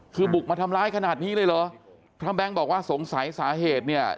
คือบุกมาทำร้ายขนาดนี้เลยเหรอพระแบงค์บอกว่าสงสัยสาเหตุเนี่ย